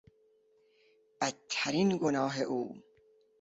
بدترین گناه او